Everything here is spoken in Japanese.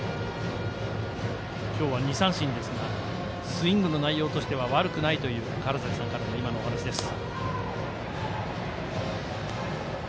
今日は２三振ですがスイングの内容としては悪くないという川原崎さんからのお話です。